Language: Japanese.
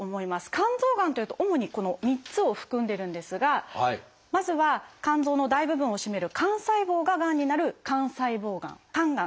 肝臓がんというと主にこの３つを含んでるんですがまずは肝臓の大部分を占める肝細胞ががんになる「肝細胞がん」肝がん。